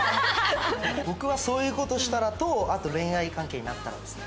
僕はそういう事したらとあと恋愛関係になったらですね。